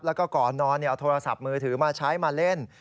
แล้วก็ก่อนนอนเอาโทรศัพท์มือถือมาใช้มาเล่น